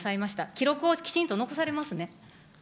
記録をきちんと残されますね。